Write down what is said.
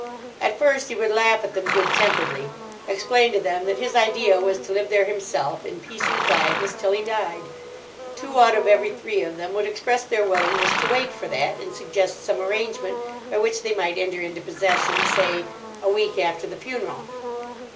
At first he would laugh at them good temperedly—explain to them that his idea was to live there himself, in peace and quietness, till he died. Two out of every three of them would express their willingness to wait for that, and suggest some arrangement by which they might enter into possession, say, a week after the funeral.